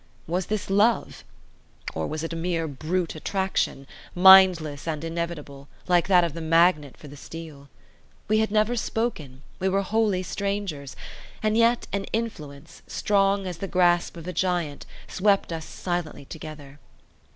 Was this love? or was it a mere brute attraction, mindless and inevitable, like that of the magnet for the steel? We had never spoken, we were wholly strangers: and yet an influence, strong as the grasp of a giant, swept us silently together.